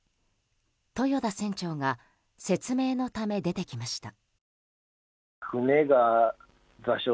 豊田船長が説明のため出てきました。